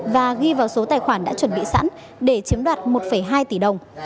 và ghi vào số tài khoản đã chuẩn bị sẵn để chiếm đoạt một hai tỷ đồng